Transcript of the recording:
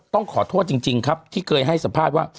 ต้องขอโทษจริงครับที่เคยให้สัมภาษณ์ว่า